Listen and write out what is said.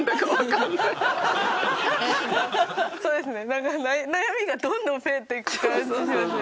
そうですね。